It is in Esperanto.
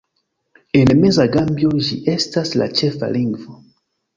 En meza Gambio ĝi estas la ĉefa lingvo.